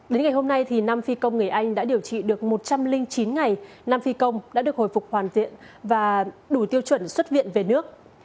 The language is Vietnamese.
đến ngày hôm nay năm phi công người anh đã điều trị được một trăm linh chín ngày năm phi công đã được hồi phục hoàn thiện và đủ tiêu chuẩn xuất viện về nước